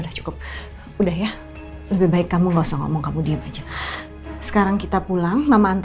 udah cukup udah ya lebih baik kamu nggak usah ngomong kamu dia baju sekarang kita pulang mama